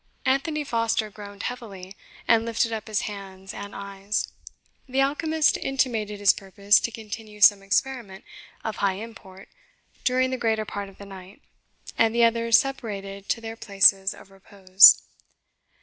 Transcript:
Anthony Foster groaned heavily, and lifted up his hands and eyes. The alchemist intimated his purpose to continue some experiment of high import during the greater part of the night, and the others separated to their places of repose.